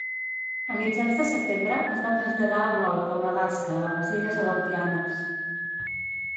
A mitjans de setembre, es va traslladar al nord a Unalaska a les illes Aleutianes.